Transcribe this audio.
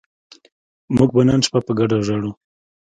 موږ به نن شپه په ګډه ژاړو